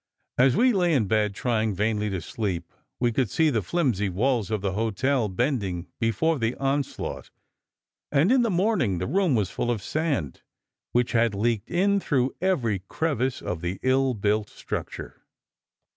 As we lay in bed trying vainly to sleep, we could see the flimsy walls of the hotel bending before the onslaught, and in the morning the room was full of sand which had leaked in through every crevice of the ill built structure.